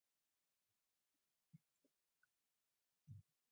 The Devil is portrayed by a different actor in each episode.